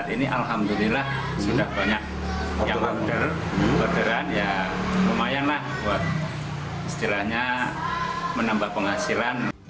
inilah sudah banyak yang orderan ya lumayan lah buat istilahnya menambah penghasilan